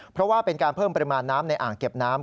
เพราะว่าเป็นการเพิ่มปริมาณน้ำในอ่างเก็บน้ำ